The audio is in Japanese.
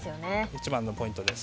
一番のポイントです。